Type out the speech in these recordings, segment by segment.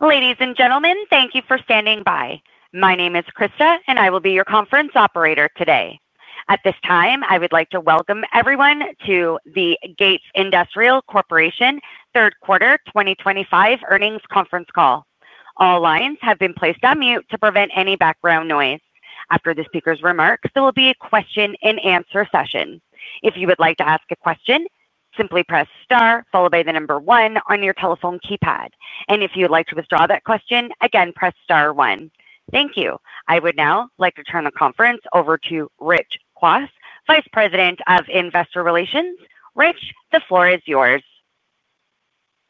Ladies and gentlemen, thank you for standing by. My name is Krista, and I will be your conference operator today. At this time, I would like to welcome everyone to the Gates Industrial Corporation plc third quarter 2025 earnings conference call. All lines have been placed on mute to prevent any background noise. After the speaker's remarks, there will be a question-and-answer session. If you would like to ask a question, simply press star followed by the number one on your telephone keypad. If you would like to withdraw that question, again, press star one. Thank you. I would now like to turn the conference over to Rich Kwas, Vice President of Investor Relations. Rich, the floor is yours.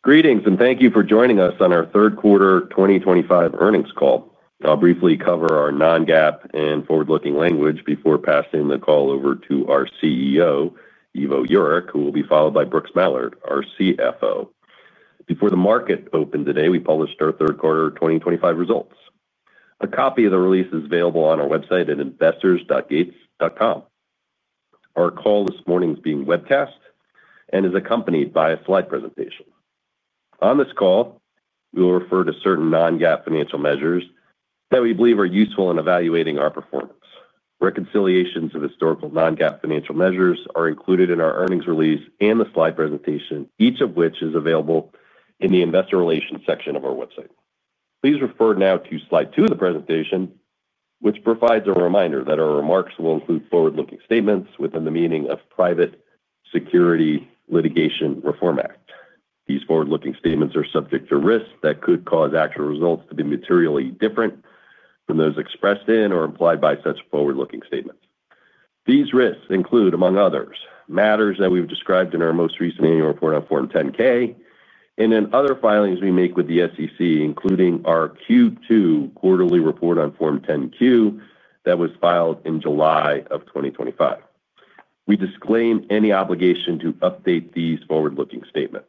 Greetings, and thank you for joining us on our third quarter 2025 earnings call. I'll briefly cover our non-GAAP and forward-looking language before passing the call over to our CEO, Ivo Jurek, who will be followed by Brooks Mallard, our CFO. Before the market opened today, we published our Third Quarter 2025 results. A copy of the release is available on our website at investors.gates.com. Our call this morning is being webcast and is accompanied by a slide presentation. On this call, we will refer to certain non-GAAP financial measures that we believe are useful in evaluating our performance. Reconciliations of historical non-GAAP financial measures are included in our earnings release and the slide presentation, each of which is available in the Investor Relations section of our website. Please refer now to slide two of the presentation, which provides a reminder that our remarks will include forward-looking statements within the meaning of the Private Securities Litigation Reform Act. These forward-looking statements are subject to risks that could cause actual results to be materially different than those expressed in or implied by such forward-looking statements. These risks include, among others, matters that we've described in our most recent annual report on Form 10-K and in other filings we make with the SEC, including our Q2 quarterly report on Form 10-Q that was filed in July of 2025. We disclaim any obligation to update these forward-looking statements.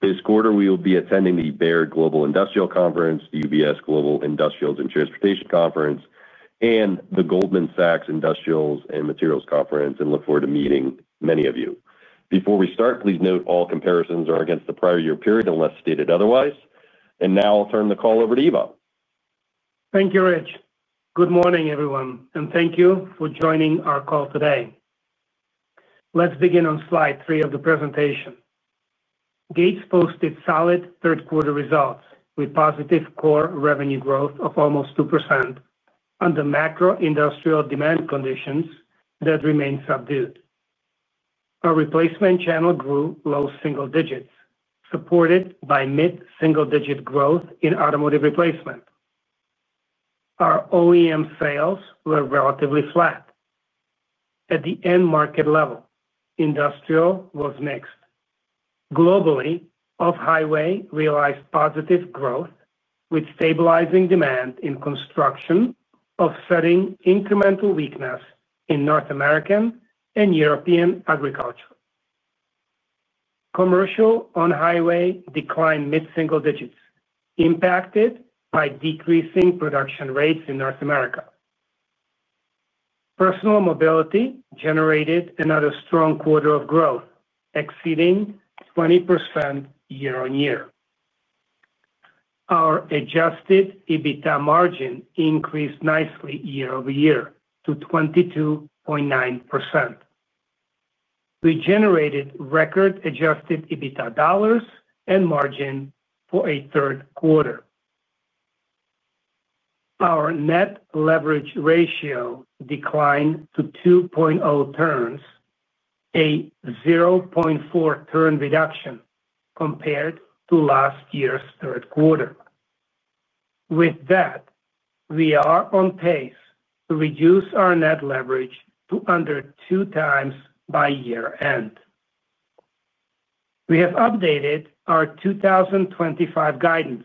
This quarter, we will be attending the Baird Global Industrial Conference, the UBS Global Industrials and Transportation Conference, and the Goldman Sachs Industrials and Materials Conference and look forward to meeting many of you. Before we start, please note all comparisons are against the prior year period unless stated otherwise. Now I'll turn the call over to Ivo. Thank you, Rich. Good morning, everyone, and thank you for joining our call today. Let's begin on slide three of the presentation. Gates posted solid third-quarter results with positive core revenue growth of almost 2% under macro-industrial demand conditions that remain subdued. Our replacement channel grew low single digits, supported by mid-single-digit growth in automotive replacement. Our OEM sales were relatively flat. At the end market level, industrial was mixed. Globally, off-highway realized positive growth with stabilizing demand in construction, offsetting incremental weakness in North American and European agriculture. Commercial on-highway declined mid-single digits, impacted by decreasing production rates in North America. Personal mobility generated another strong quarter of growth, exceeding 20% year-on-year. Our Adjusted EBITDA margin increased nicely year-over-year to 22.9%. We generated record Adjusted EBITDA dollars and margin for a third quarter. Our net leverage ratio declined to 2.0 turns, a 0.4-turn reduction compared to last year's third quarter. With that, we are on pace to reduce our net leverage to under two times by year-end. We have updated our 2025 guidance,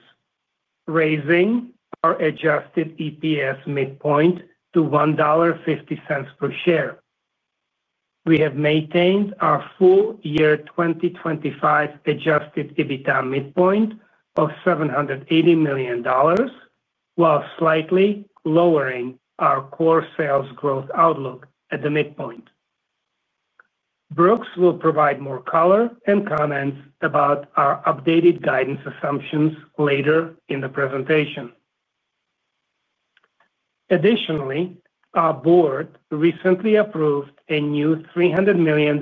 raising our adjusted EPS midpoint to $1.50 per share. We have maintained our full year 2025 Adjusted EBITDA midpoint of $780 million, while slightly lowering our core sales growth outlook at the midpoint. Brooks will provide more color and comments about our updated guidance assumptions later in the presentation. Additionally, our board recently approved a new $300 million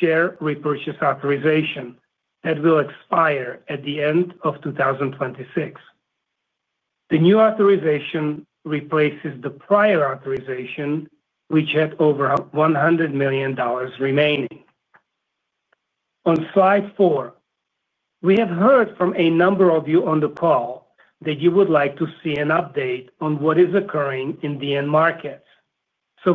share repurchase authorization that will expire at the end of 2026. The new authorization replaces the prior authorization, which had over $100 million remaining. On slide four, we have heard from a number of you on the call that you would like to see an update on what is occurring in the end markets.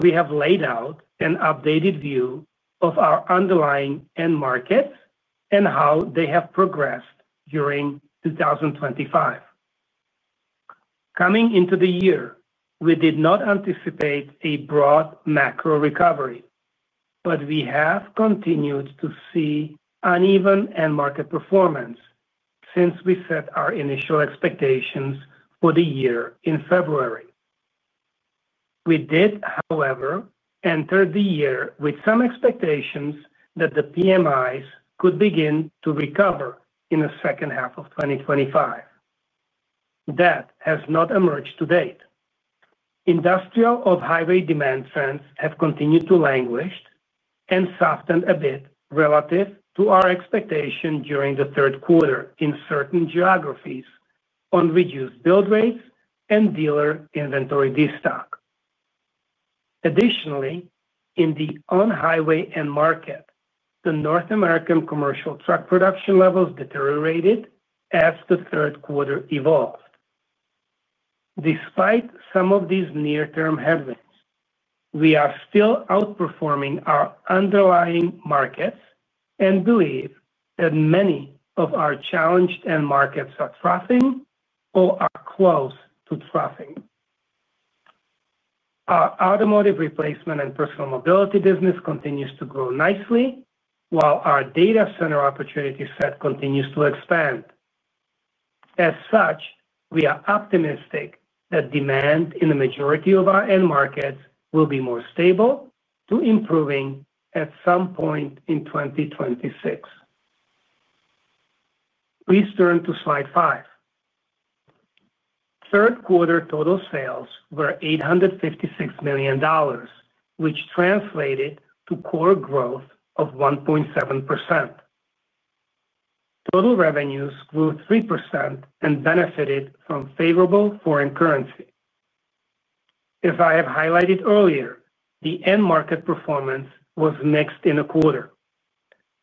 We have laid out an updated view of our underlying end markets and how they have progressed during 2025. Coming into the year, we did not anticipate a broad macro recovery, but we have continued to see uneven end market performance since we set our initial expectations for the year in February. We did, however, enter the year with some expectations that the PMIs could begin to recover in the second half of 2025. That has not emerged to date. Industrial off-highway demand trends have continued to languish and soften a bit relative to our expectation during the third quarter in certain geographies on reduced build rates and dealer inventory destock. Additionally, in the on-highway end market, the North American commercial truck production levels deteriorated as the third quarter evolved. Despite some of these near-term headwinds, we are still outperforming our underlying markets and believe that many of our challenged end markets are troughing or are close to troughing. Our automotive replacement and personal mobility business continues to grow nicely, while our data center opportunity set continues to expand. As such, we are optimistic that demand in the majority of our end markets will be more stable to improving at some point in 2026. Please turn to slide five. Third quarter total sales were $856 million, which translated to core growth of 1.7%. Total revenues grew 3% and benefited from favorable foreign currency. As I have highlighted earlier, the end market performance was mixed in a quarter.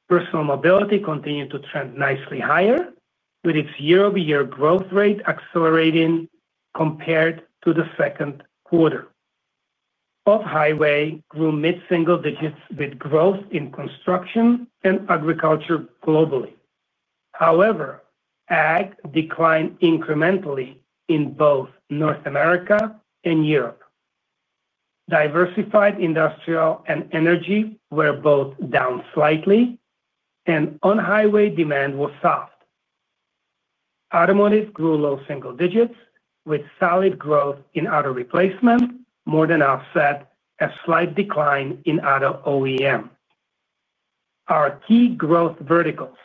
Personal mobility continued to trend nicely higher, with its year-over-year growth rate accelerating compared to the second quarter. Off-highway grew mid-single digits with growth in construction and agriculture globally. However, ag declined incrementally in both North America and Europe. Diversified industrial and energy were both down slightly, and on-highway demand was soft. Automotive grew low single digits with solid growth in auto replacement, more than offset a slight decline in auto OEM. Our key growth verticals,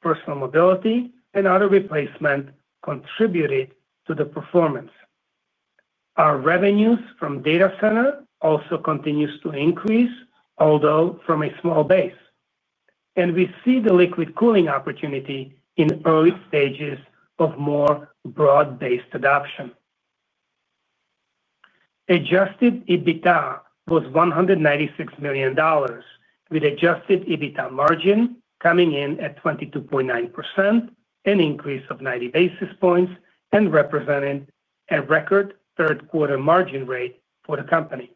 personal mobility and auto replacement, contributed to the performance. Our revenues from data center also continue to increase, although from a small base. We see the liquid cooling opportunity in early stages of more broad-based adoption. Adjusted EBITDA was $196 million, with Adjusted EBITDA margin coming in at 22.9%, an increase of 90 basis points, and representing a record third-quarter margin rate for the company.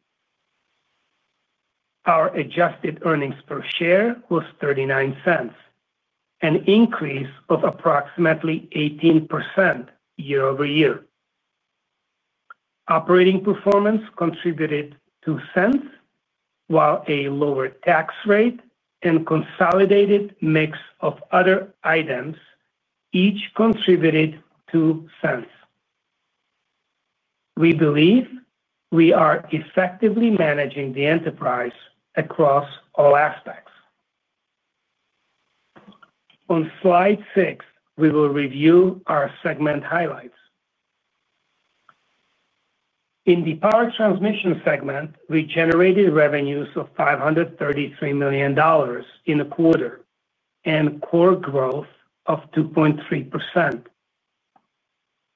Our adjusted earnings per share was $0.39, an increase of approximately 18% year-over-year. Operating performance contributed $0.02 while a lower tax rate and consolidated mix of other items each contributed $0.02. We believe we are effectively managing the enterprise across all aspects. On slide six, we will review our segment highlights. In the power transmission segment, we generated revenues of $533 million in a quarter and core growth of 2.3%.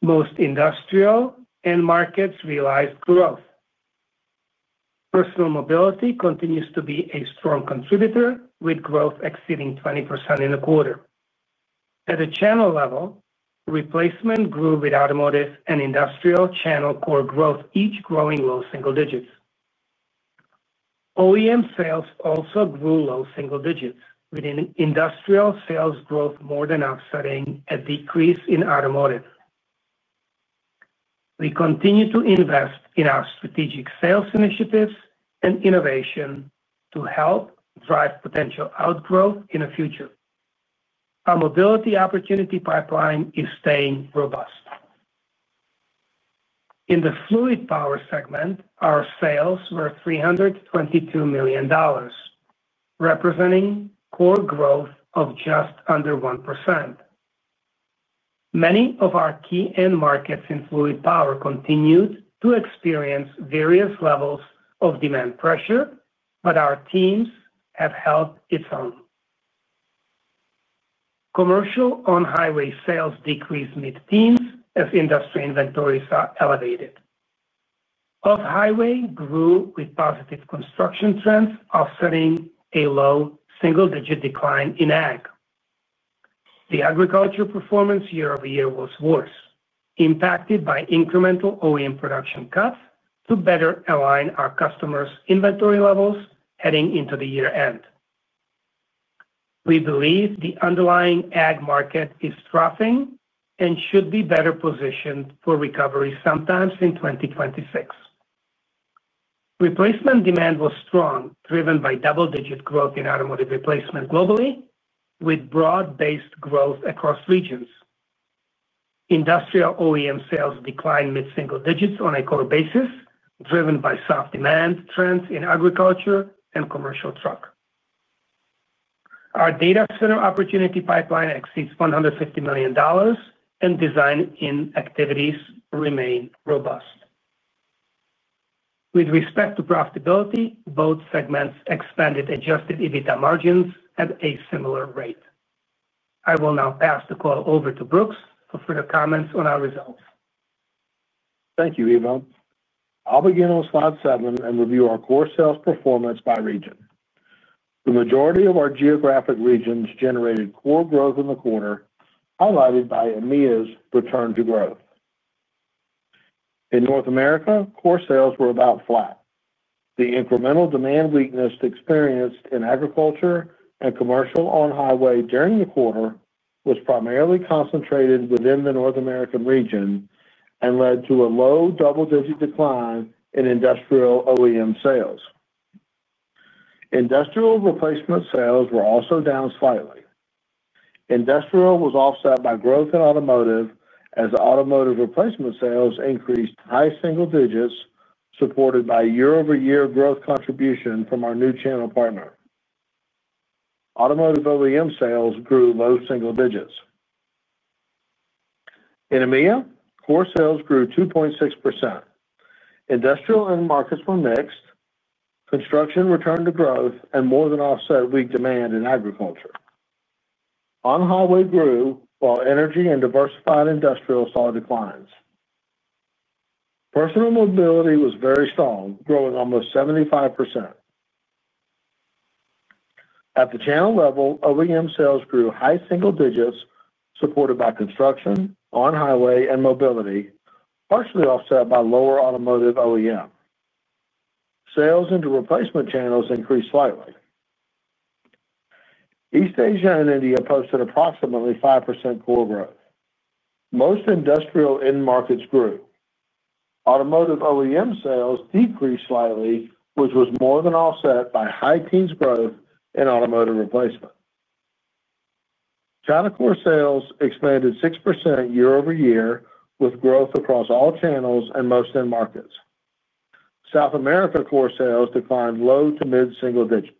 Most industrial end markets realized growth. Personal mobility continues to be a strong contributor, with growth exceeding 20% in a quarter. At a channel level, replacement grew with automotive and industrial channel core growth, each growing low single digits. OEM sales also grew low single digits, with industrial sales growth more than offsetting a decrease in automotive. We continue to invest in our strategic sales initiatives and innovation to help drive potential outgrowth in the future. Our mobility opportunity pipeline is staying robust. In the fluid power segment, our sales were $322 million, representing core growth of just under 1%. Many of our key end markets in fluid power continued to experience various levels of demand pressure, but our teams have held its own. Commercial on-highway sales decreased mid-teens as industry inventories are elevated. Off-highway grew with positive construction trends, offsetting a low single-digit decline in ag. The agriculture performance year-over-year was worse, impacted by incremental OEM production cuts to better align our customers' inventory levels heading into the year-end. We believe the underlying ag market is troughing and should be better positioned for recovery sometime in 2026. Replacement demand was strong, driven by double-digit growth in automotive replacement globally, with broad-based growth across regions. Industrial OEM sales declined mid-single digits on a core basis, driven by soft demand trends in agriculture and commercial truck. Our data center opportunity pipeline exceeds $150 million, and design in activities remain robust. With respect to profitability, both segments expanded Adjusted EBITDA margins at a similar rate. I will now pass the call over to Brooks for further comments on our results. Thank you, Ivo. I'll begin on slide seven and review our core sales performance by region. The majority of our geographic regions generated core growth in the quarter, highlighted by EMEA's return to growth. In North America, core sales were about flat. The incremental demand weakness experienced in agriculture and commercial on-highway during the quarter was primarily concentrated within the North American region and led to a low double-digit decline in industrial OEM sales. Industrial replacement sales were also down slightly. Industrial was offset by growth in automotive, as automotive replacement sales increased high single digits, supported by year-over-year growth contribution from our new channel partner. Automotive OEM sales grew low single digits. In EMEA, core sales grew 2.6%. Industrial end markets were mixed. Construction returned to growth and more than offset weak demand in agriculture. On-highway grew, while energy and diversified industrial saw declines. Personal mobility was very strong, growing almost 75%. At the channel level, OEM sales grew high single digits, supported by construction, on-highway, and mobility, partially offset by lower automotive OEM. Sales into replacement channels increased slightly. East Asia and India posted approximately 5% core growth. Most industrial end markets grew. Automotive OEM sales decreased slightly, which was more than offset by high teens growth in automotive replacement. China core sales expanded 6% year-over-year, with growth across all channels and most end markets. South America core sales declined low to mid-single digits.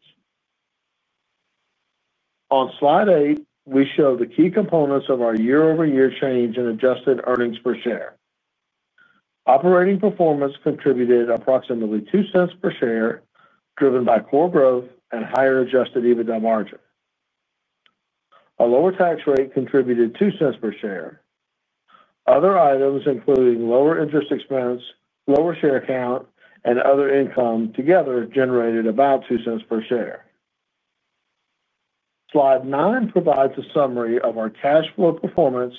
On slide eight, we show the key components of our year-over-year change in adjusted EPS. Operating performance contributed approximately $0.02 per share, driven by core growth and higher Adjusted EBITDA margin. A lower tax rate contributed $0.02 per share. Other items, including lower interest expense, lower share count, and other income together generated about $0.02 per share. Slide nine provides a summary of our cash flow performance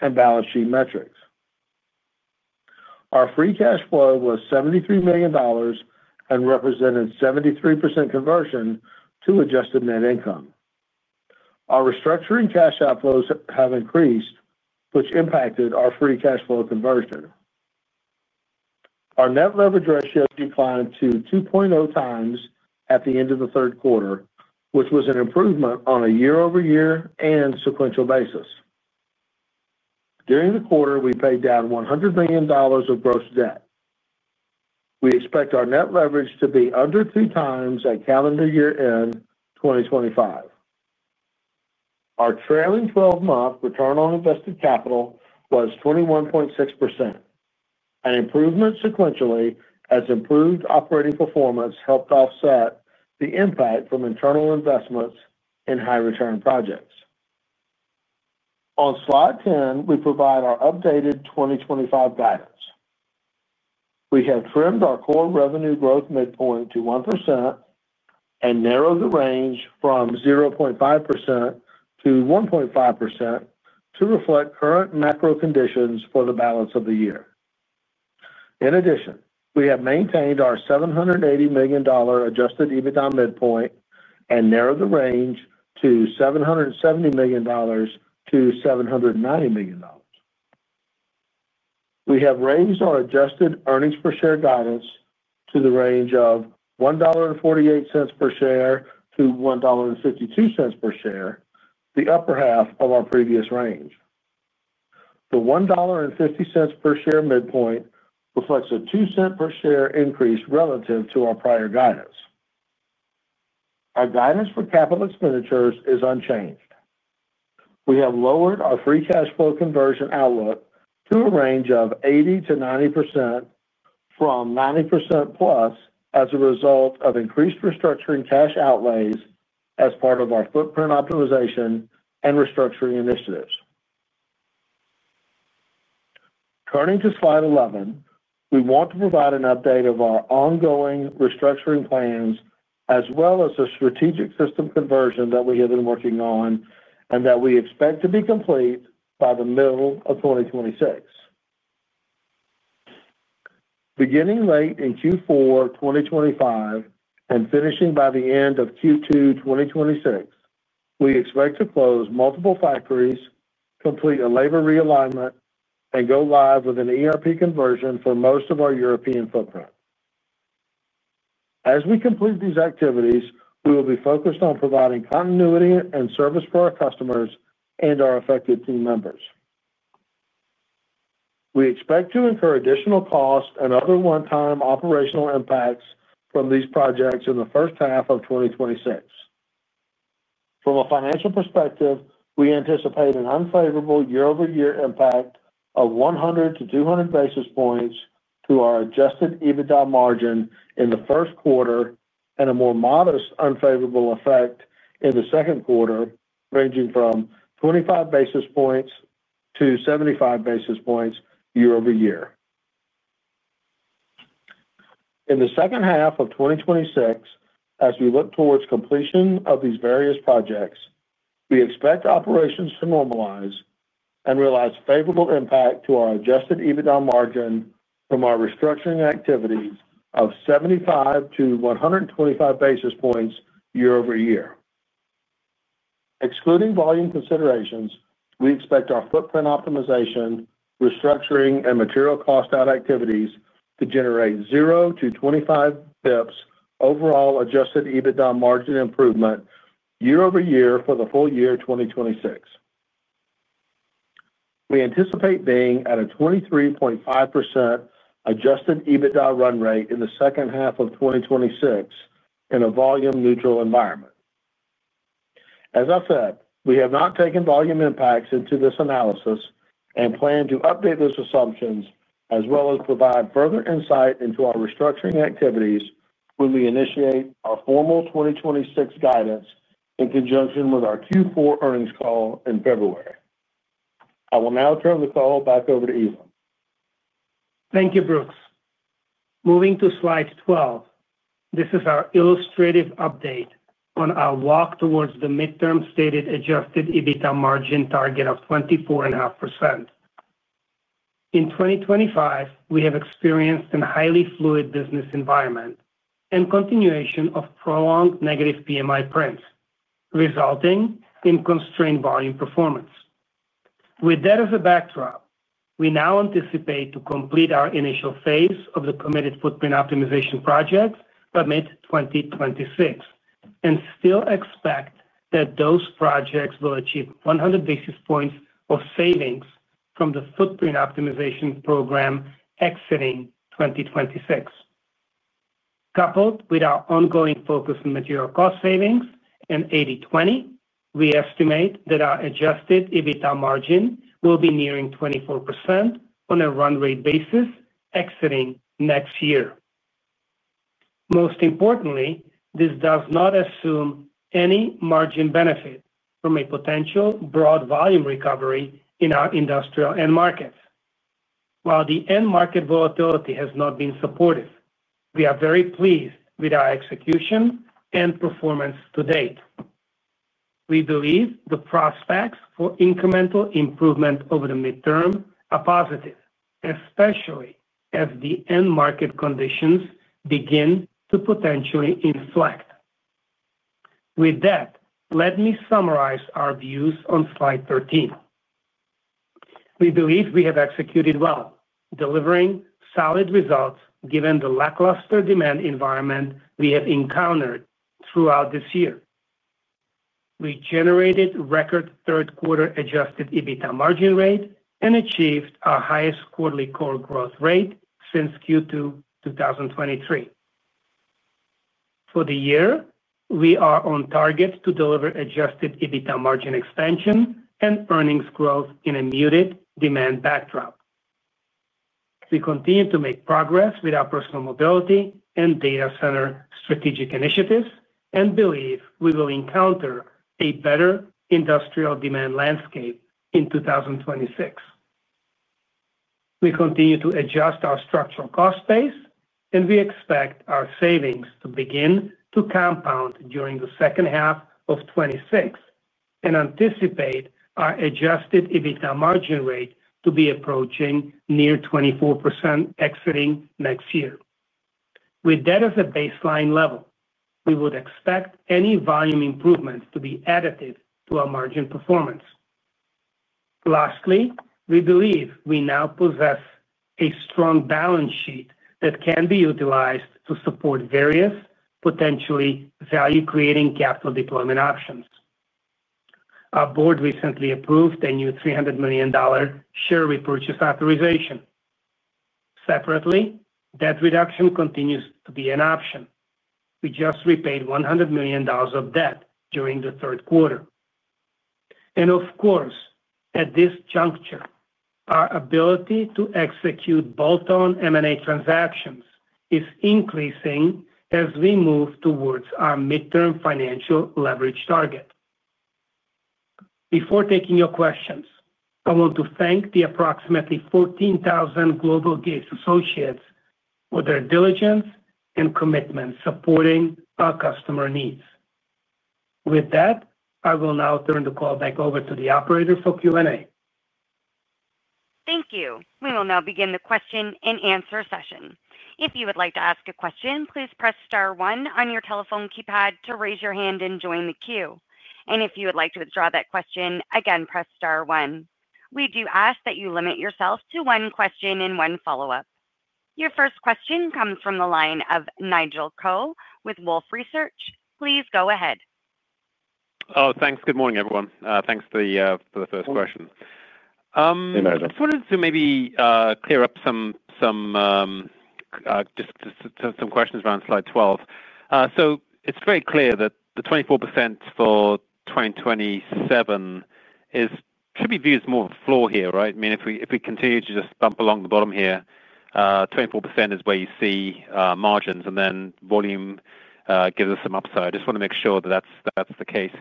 and balance sheet metrics. Our free cash flow was $73 million and represented 73% conversion to adjusted net income. Our restructuring cash outflows have increased, which impacted our free cash flow conversion. Our net leverage ratio declined to 2.0 times at the end of the third quarter, which was an improvement on a year-over-year and sequential basis. During the quarter, we paid down $100 million of gross debt. We expect our net leverage to be under 3x at calendar year end 2025. Our trailing 12-month return on invested capital was 21.6%. An improvement sequentially as improved operating performance helped offset the impact from internal investments in high-return projects. On slide 10, we provide our updated 2025 guidance. We have trimmed our core revenue growth midpoint to 1% and narrowed the range from 0.5%-1.5% to reflect current macro conditions for the balance of the year. In addition, we have maintained our $780 million Adjusted EBITDA midpoint and narrowed the range to $770 million-$790 million. We have raised our adjusted EPS guidance to the range of $1.48 per share to $1.52 per share, the upper half of our previous range. The $1.50 per share midpoint reflects a $0.02 per share increase relative to our prior guidance. Our guidance for capital expenditures is unchanged. We have lowered our free cash flow conversion outlook to a range of 80%-90% from 90%+ as a result of increased restructuring cash outlays as part of our footprint optimization and restructuring initiatives. Turning to slide 11, we want to provide an update of our ongoing restructuring plans, as well as a strategic system conversion that we have been working on and that we expect to be complete by the middle of 2026. Beginning late in Q4 2025 and finishing by the end of Q2 2026, we expect to close multiple factories, complete a labor realignment, and go live with an ERP system conversion for most of our European footprint. As we complete these activities, we will be focused on providing continuity and service for our customers and our affected team members. We expect to incur additional costs and other one-time operational impacts from these projects in the first half of 2026. From a financial perspective, we anticipate an unfavorable year-over-year impact of 100-200 basis points to our Adjusted EBITDA margin in the first quarter and a more modest unfavorable effect in the second quarter, ranging from 25 basis points to 75 basis points year-over-year. In the second half of 2026, as we look towards completion of these various projects, we expect operations to normalize and realize a favorable impact to our Adjusted EBITDA margin from our restructuring activities of 75-125 basis points year-over-year. Excluding volume considerations, we expect our footprint optimization, restructuring, and material cost-out activities to generate 0-25 basis points overall Adjusted EBITDA margin improvement year-over-year for the full year 2026. We anticipate being at a 23.5% Adjusted EBITDA run-rate in the second half of 2026 in a volume-neutral environment. As I said, we have not taken volume impacts into this analysis and plan to update those assumptions, as well as provide further insight into our restructuring activities when we initiate our formal 2026 guidance in conjunction with our Q4 earnings call in February. I will now turn the call back over to Ivo. Thank you, Brooks. Moving to slide 12, this is our illustrative update on our walk towards the midterm stated Adjusted EBITDA margin target of 24.5%. In 2025, we have experienced a highly fluid business environment and continuation of prolonged negative PMI prints, resulting in constrained volume performance. With that as a backdrop, we now anticipate to complete our initial phase of the committed footprint optimization projects by mid-2026 and still expect that those projects will achieve 100 basis points of savings from the footprint optimization program exiting 2026. Coupled with our ongoing focus on material cost savings and 80/20, we estimate that our Adjusted EBITDA margin will be nearing 24% on a run rate basis exiting next year. Most importantly, this does not assume any margin benefit from a potential broad volume recovery in our industrial end markets. While the end market volatility has not been supportive, we are very pleased with our execution and performance to date. We believe the prospects for incremental improvement over the midterm are positive, especially as the end market conditions begin to potentially inflect. With that, let me summarize our views on slide 13. We believe we have executed well, delivering solid results given the lackluster demand environment we have encountered throughout this year. We generated record third-quarter Adjusted EBITDA margin rate and achieved our highest quarterly core growth rate since Q2 2023. For the year, we are on target to deliver Adjusted EBITDA margin expansion and earnings growth in a muted demand backdrop. We continue to make progress with our personal mobility and data center strategic initiatives and believe we will encounter a better industrial demand landscape in 2026. We continue to adjust our structural cost base, and we expect our savings to begin to compound during the second half of 2026 and anticipate our Adjusted EBITDA margin rate to be approaching near 24% exiting next year. With that as a baseline level, we would expect any volume improvements to be additive to our margin performance. Lastly, we believe we now possess a strong balance sheet that can be utilized to support various, potentially value-creating capital deployment options. Our board recently approved a new $300 million share repurchase authorization. Separately, debt reduction continues to be an option. We just repaid $100 million of debt during the third quarter. Of course, at this juncture, our ability to execute bolt-on M&A transactions is increasing as we move towards our midterm financial leverage target. Before taking your questions, I want to thank the approximately 14,000 global Gates Associates for their diligence and commitment supporting our customer needs. With that, I will now turn the call back over to the operator for Q&A. Thank you. We will now begin the question-and-answer session. If you would like to ask a question, please press star one on your telephone keypad to raise your hand and join the queue. If you would like to withdraw that question, again, press star one. We do ask that you limit yourself to one question and one follow-up. Your first question comes from the line of Nigel Coe with Wolfe Research. Please go ahead. Oh, thanks. Good morning, everyone. Thanks for the first question. Hey, Nigel. I just wanted to maybe clear up some questions around slide 12. It's very clear that the 24% for 2027 should be viewed as more of a floor here, right? I mean, if we continue to just bump along the bottom here, 24% is where you see margins, and then volume gives us some upside. I just want to make sure that that's the case.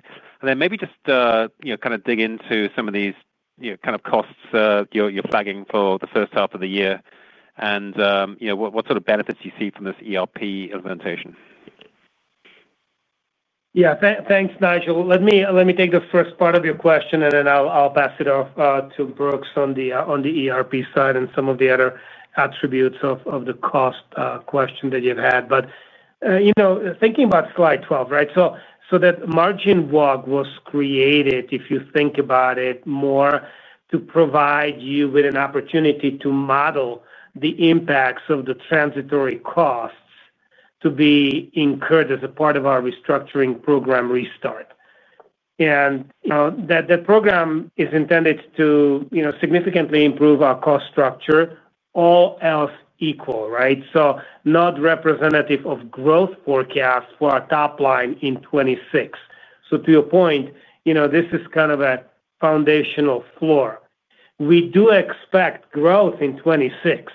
Maybe just kind of dig into some of these costs you're flagging for the first half of the year and what sort of benefits you see from this ERP system implementation. Yeah. Thanks, Nigel. Let me take the first part of your question, and then I'll pass it off to Brooks on the ERP side and some of the other attributes of the cost question that you've had. Thinking about slide 12, right? That margin WOG was created, if you think about it more, to provide you with an opportunity to model the impacts of the transitory costs to be incurred as a part of our restructuring program restart. That program is intended to significantly improve our cost structure, all else equal, right? Not representative of growth forecast for our top line in 2026. To your point, this is kind of a foundational floor. We do expect growth in 2026.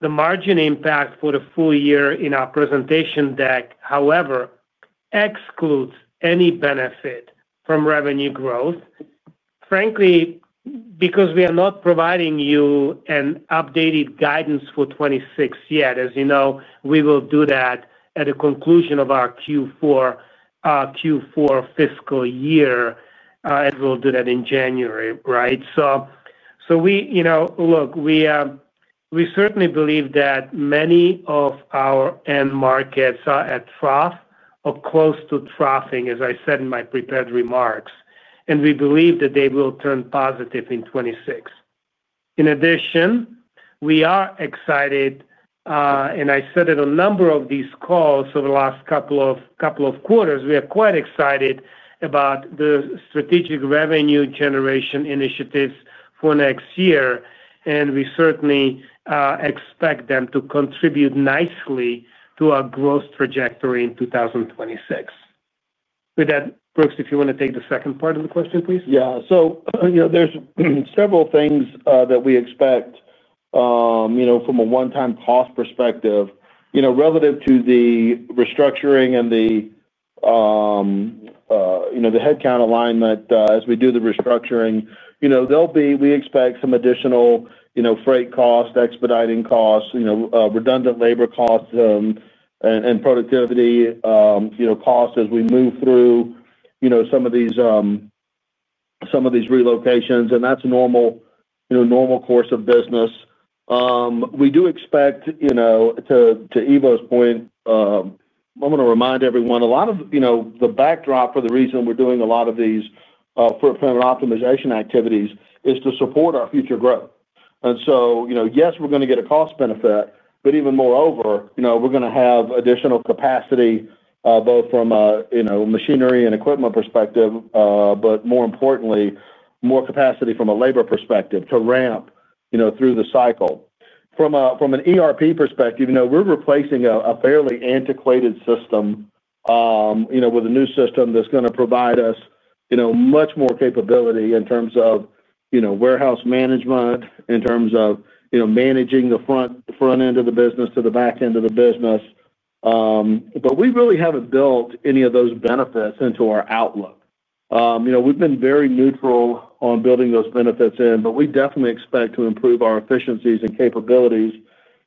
The margin impact for the full year in our presentation deck, however, excludes any benefit from revenue growth. Frankly, because we are not providing you an updated guidance for 2026 yet, as you know, we will do that at the conclusion of our Q4 fiscal year, and we'll do that in January, right? We certainly believe that many of our end markets are at trough or close to troughing, as I said in my prepared remarks, and we believe that they will turn positive in 2026. In addition, we are excited, and I said it on a number of these calls over the last couple of quarters, we are quite excited about the strategic revenue generation initiatives for next year, and we certainly expect them to contribute nicely to our growth trajectory in 2026. With that, Brooks, if you want to take the second part of the question, please. Yeah. There are several things that we expect from a one-time cost perspective. Relative to the restructuring and the headcount alignment as we do the restructuring, there will be, we expect, some additional freight costs, expediting costs, redundant labor costs, and productivity costs as we move through some of these relocations, and that's a normal course of business. We do expect, to Ivo's point, I'm going to remind everyone, a lot of the backdrop for the reason we're doing a lot of these footprint optimization activities is to support our future growth. Yes, we're going to get a cost benefit, but even moreover, we're going to have additional capacity, both from a machinery and equipment perspective, but more importantly, more capacity from a labor perspective to ramp through the cycle. From an ERP perspective, we're replacing a fairly antiquated system with a new system that's going to provide us much more capability in terms of warehouse management, in terms of managing the front end of the business to the back end of the business. We really haven't built any of those benefits into our outlook. We've been very neutral on building those benefits in, but we definitely expect to improve our efficiencies and capabilities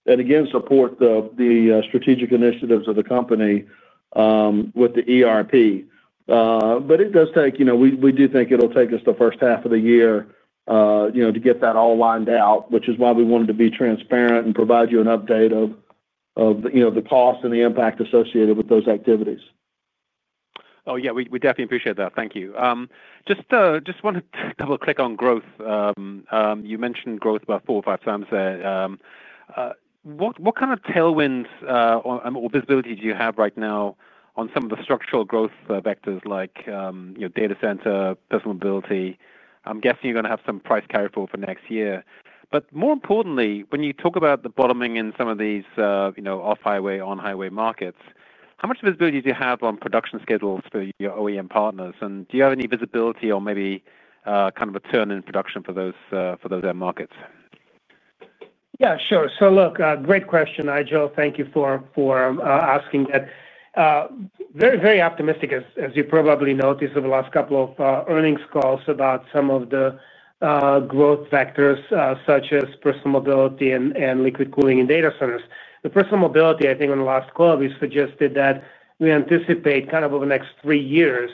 that, again, support the strategic initiatives of the company with the ERP. It does take, we do think it'll take us the first half of the year to get that all lined out, which is why we wanted to be transparent and provide you an update of the cost and the impact associated with those activities. Oh, yeah. We definitely appreciate that. Thank you. Just want to double-click on growth. You mentioned growth about four or five times there. What kind of tailwinds or visibility do you have right now on some of the structural growth vectors like, you know, data center, personal mobility? I'm guessing you're going to have some price carry forward for next year. More importantly, when you talk about the bottoming in some of these, you know, off-highway, on-highway markets, how much visibility do you have on production schedules for your OEM partners? Do you have any visibility on maybe kind of a turn in production for those end markets? Yeah, sure. Great question, Nigel. Thank you for asking that. Very, very optimistic, as you probably noticed over the last couple of earnings calls about some of the growth vectors such as personal mobility and liquid cooling in data centers. The personal mobility, I think, on the last call, we suggested that we anticipate kind of over the next three years.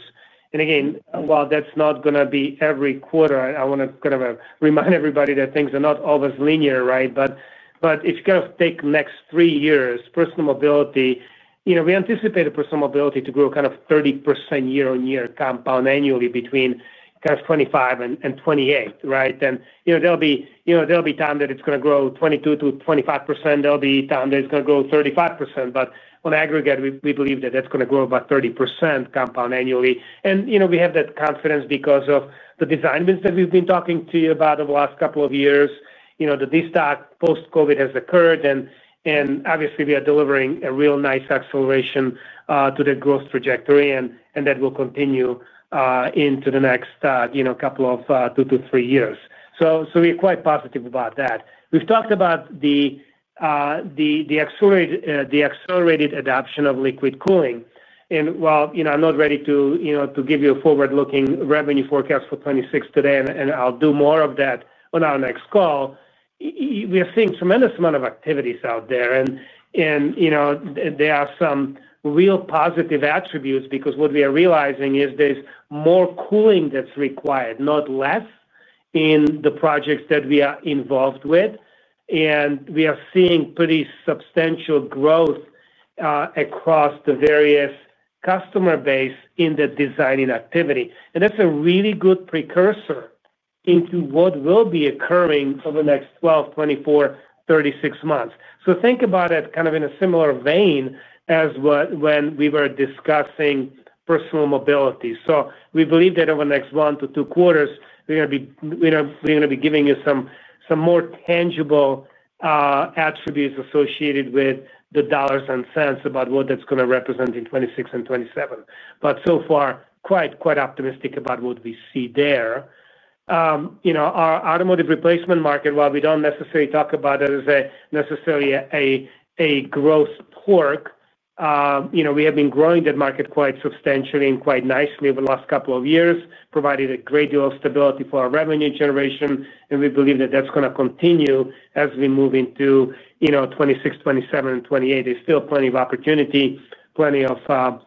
While that's not going to be every quarter, I want to remind everybody that things are not always linear, right? If you take the next three years, personal mobility, we anticipate the personal mobility to grow kind of 30% year-on-year compound annually between 2025 and 2028, right? There will be times that it's going to grow 22%-25%. There will be times that it's going to grow 35%. On aggregate, we believe that that's going to grow about 30% compound annually. We have that confidence because of the design bins that we've been talking to you about over the last couple of years. The de-stock post-COVID has occurred, and obviously, we are delivering a real nice acceleration to the growth trajectory, and that will continue into the next two to three years. We are quite positive about that. We've talked about the accelerated adoption of liquid cooling. While I'm not ready to give you a forward-looking revenue forecast for 2026 today, and I'll do more of that on our next call, we are seeing a tremendous amount of activities out there. There are some real positive attributes because what we are realizing is there's more cooling that's required, not less, in the projects that we are involved with. We are seeing pretty substantial growth across the various customer base in the designing activity. That's a really good precursor into what will be occurring over the next 12, 24, 36 months. Think about it in a similar vein as when we were discussing personal mobility. We believe that over the next one to two quarters, we're going to be giving you some more tangible attributes associated with the dollars and cents about what that's going to represent in 2026 and 2027. So far, quite optimistic about what we see there. You know our automotive replacement market, while we don't necessarily talk about it as necessarily a growth port, we have been growing that market quite substantially and quite nicely over the last couple of years, provided a great deal of stability for our revenue generation. We believe that that's going to continue as we move into 2026, 2027, and 2028. There's still plenty of opportunity, plenty of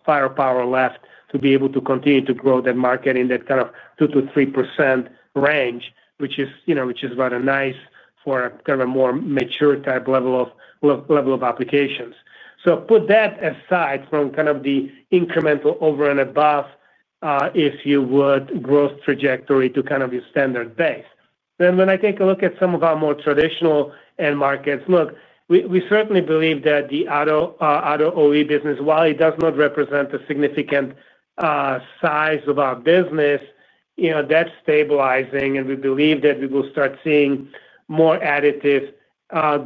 firepower left to be able to continue to grow that market in that kind of 2%-3% range, which is rather nice for a kind of a more mature type level of applications. Put that aside from the incremental over and above, if you would, growth trajectory to your standard base. When I take a look at some of our more traditional end markets, we certainly believe that the auto OE business, while it does not represent a significant size of our business, that's stabilizing. We believe that we will start seeing more additive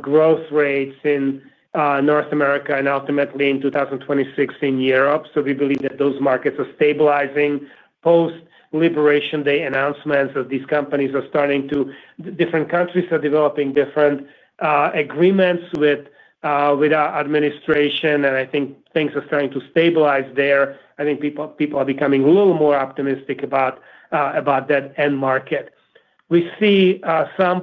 growth rates in North America and ultimately in 2026 in Europe. We believe that those markets are stabilizing post-Liberation Day announcements that these companies are starting to, different countries are developing different agreements with our administration, and I think things are starting to stabilize there. I think people are becoming a little more optimistic about that end market. We see some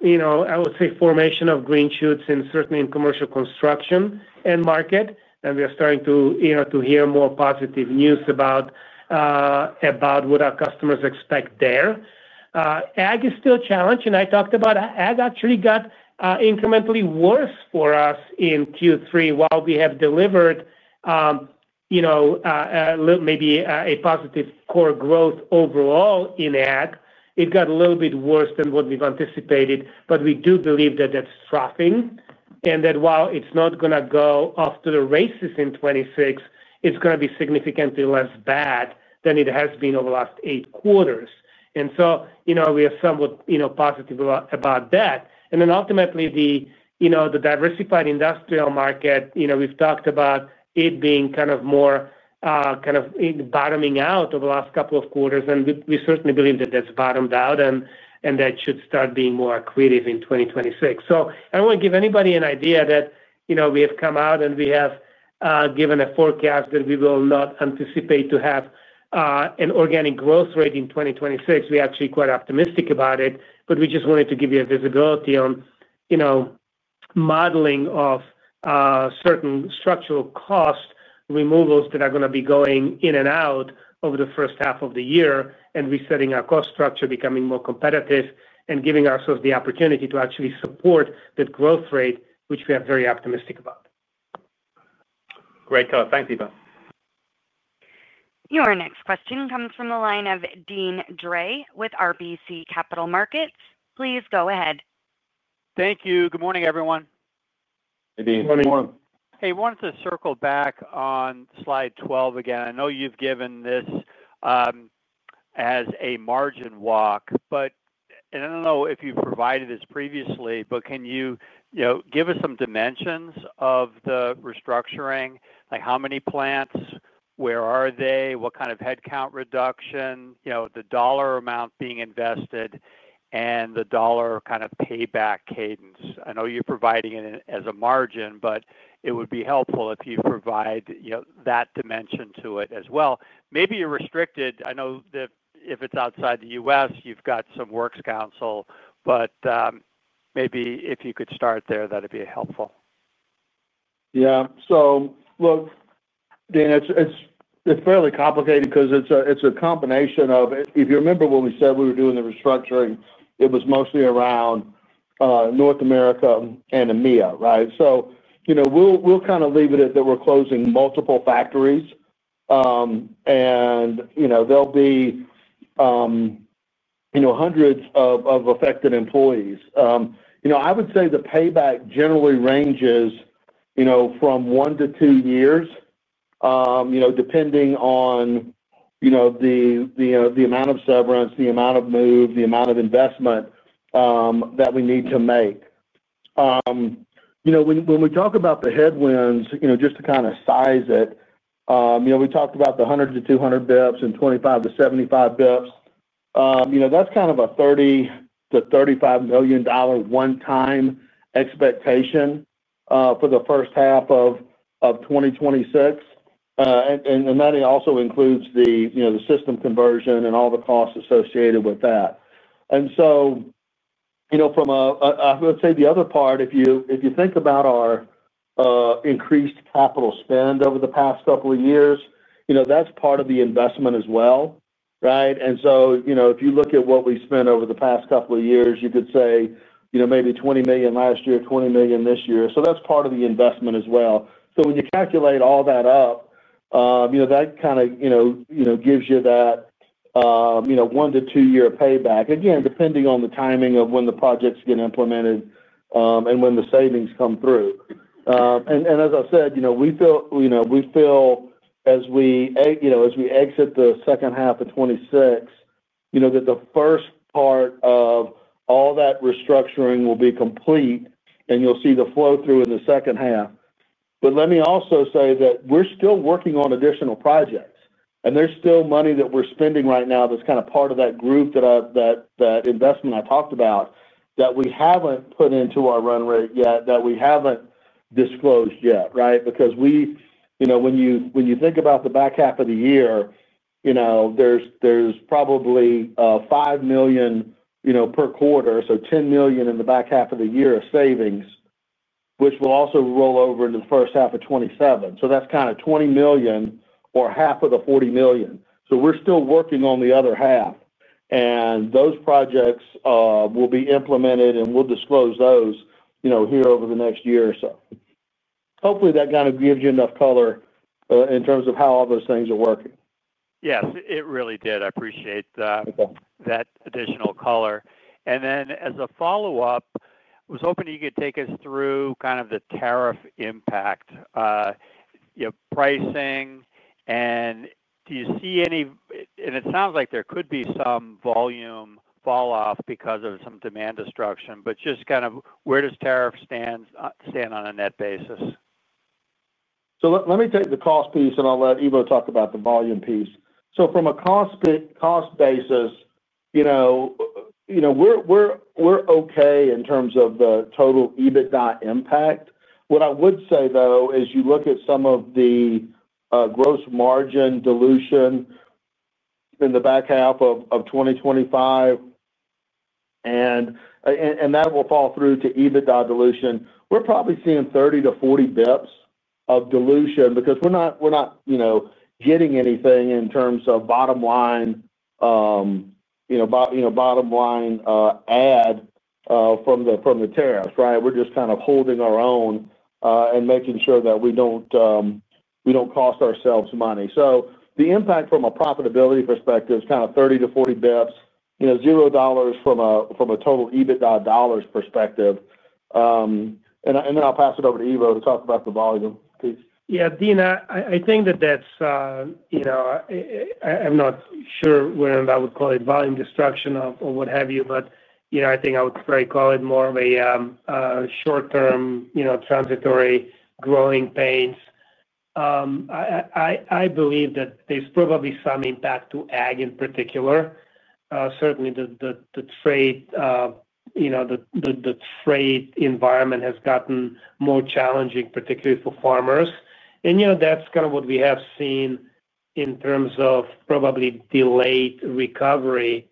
positive, I would say, formation of green shoots certainly in commercial construction and market. We are starting to hear more positive news about what our customers expect there. Ag is still a challenge, and I talked about ag actually got incrementally worse for us in Q3. While we have delivered maybe a positive core growth overall in ag, it got a little bit worse than what we've anticipated. We do believe that that's troughing and that while it's not going to go off to the races in 2026, it's going to be significantly less bad than it has been over the last eight quarters. We are somewhat positive about that. Ultimately, the diversified industrial market, we've talked about it being kind of more bottoming out over the last couple of quarters. We certainly believe that that's bottomed out and that should start being more accretive in 2026. I don't want to give anybody an idea that we have come out and we have given a forecast that we will not anticipate to have an organic growth rate in 2026. We're actually quite optimistic about it, but we just wanted to give you visibility on modeling of certain structural cost removals that are going to be going in and out over the first half of the year and resetting our cost structure, becoming more competitive, and giving ourselves the opportunity to actually support that growth rate, which we are very optimistic about. Great call. Thanks, Ivo. Your next question comes from the line of Deane Dray with RBC Capital Markets. Please go ahead. Thank you. Good morning, everyone. Hey, Dean. Morning. Hey, I wanted to circle back on slide 12 again. I know you've given this as a margin WOG, but I don't know if you provided this previously. Can you give us some dimensions of the restructuring? Like how many plants? Where are they? What kind of headcount reduction? You know the dollar amount being invested and the dollar kind of payback cadence. I know you're providing it as a margin, but it would be helpful if you provide that dimension to it as well. Maybe you're restricted. I know that if it's outside the U.S., you've got some works counsel, but maybe if you could start there, that'd be helpful. Yeah. So look, Deane, it's fairly complicated because it's a combination of, if you remember when we said we were doing the restructuring, it was mostly around North America and EMEA, right? We'll kind of leave it at that we're closing multiple factories, and there'll be hundreds of affected employees. I would say the payback generally ranges from one to two years, depending on the amount of severance, the amount of move, the amount of investment that we need to make. When we talk about the headwinds, just to kind of size it, we talked about the 100-200 basis points and 25-75 basis points. That's kind of a $30 million-$35 million one-time expectation for the first half of 2026. That also includes the ERP system conversion and all the costs associated with that. From the other part, if you think about our increased capital spend over the past couple of years, that's part of the investment as well, right? If you look at what we spent over the past couple of years, you could say maybe $20 million last year, $20 million this year. That's part of the investment as well. When you calculate all that up, that kind of gives you that one to two-year payback, again, depending on the timing of when the projects get implemented and when the savings come through. As I said, we feel as we exit the second half of 2026, the first part of all that restructuring will be complete, and you'll see the flow through in the second half. Let me also say that we're still working on additional projects, and there's still money that we're spending right now that's kind of part of that group, that investment I talked about, that we haven't put into our run-rate yet, that we haven't disclosed yet, right? When you think about the back half of the year, there's probably $5 million per quarter, so $10 million in the back half of the year of savings, which will also roll over into the first half of 2027. That's kind of $20 million or half of the $40 million. We're still working on the other half, and those projects will be implemented, and we'll disclose those here over the next year or so. Hopefully, that kind of gives you enough color in terms of how all those things are working. Yes, it really did. I appreciate that additional color. As a follow-up, I was hoping you could take us through kind of the tariff impact, you know, pricing, and do you see any, it sounds like there could be some volume falloff because of some demand destruction, but just kind of where does tariff stand on a net basis? Let me take the cost piece, and I'll let Ivo talk about the volume piece. From a cost basis, you know we're okay in terms of the total EBITDA impact. What I would say, though, is you look at some of the gross margin dilution in the back half of 2025, and that will fall through to EBITDA dilution. We're probably seeing 30-40 basis points of dilution because we're not getting anything in terms of bottom line, you know, bottom line ad from the tariffs, right? We're just kind of holding our own and making sure that we don't cost ourselves money. The impact from a profitability perspective is kind of 30-40 basis points, you know, $0 from a total EBITDA dollars perspective. I'll pass it over to Ivo to talk about the volume piece. Yeah. Deane, I think that that's, you know, I'm not sure whether I would call it volume destruction or what have you, but you know I think I would probably call it more of a short-term, you know, transitory growing pains. I believe that there's probably some impact to ag in particular. Certainly, the trade environment has gotten more challenging, particularly for farmers. You know that's kind of what we have seen in terms of probably delayed recovery